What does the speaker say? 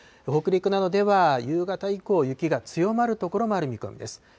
北陸などでは夕方以降、雪が強まる所もある見込みです。